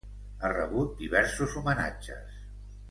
Ha rebut diversos homenatges.